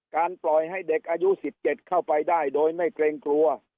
การปล่อยให้เด็กอายุสิบเจ็ดเข้าไปได้โดยไม่เกรงกลัว